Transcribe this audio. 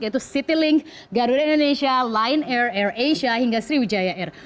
yaitu citylink garuda indonesia line air air asia hingga sriwijaya air